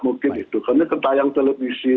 mungkin itu karena kita tayang televisi